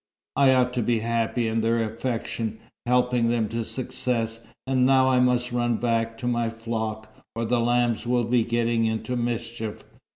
I ought to be happy in their affection, helping them to success. And now I must run back to my flock, or the lambs will be getting into mischief.